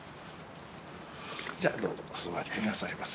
どうぞお座り下さいませ。